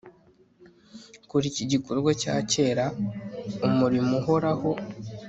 Kora iki gikorwa cya kera umurimo uhoraho